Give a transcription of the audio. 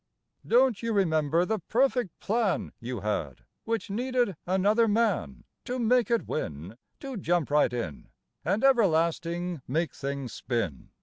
Don't you remember the perfect plan You had, which needed another man To make it win, To jump right in And everlasting make things spin?